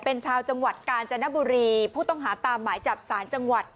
เป็นชาวจังหวัดกาญจนบุรีผู้ต้องหาตามหมายจับสารจังหวัด